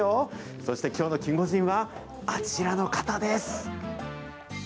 そして、きょうのキンゴジンは、あちらの方です。